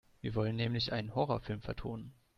Wir wollen nämlich einen Horrorfilm vertonen.